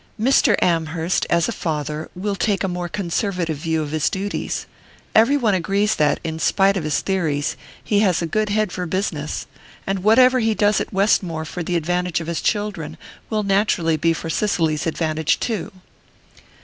"Mr. Amherst, as a father, will take a more conservative view of his duties. Every one agrees that, in spite of his theories, he has a good head for business; and whatever he does at Westmore for the advantage of his children will naturally be for Cicely's advantage too."